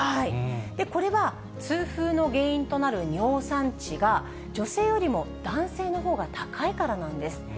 これは、痛風の原因となる尿酸値が、女性よりも、男性のほうが高いからなんです。